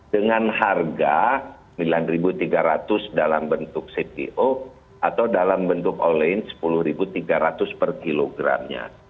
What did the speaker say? dengan harga rp sembilan tiga ratus dalam bentuk cpo atau dalam bentuk allin sepuluh tiga ratus per kilogramnya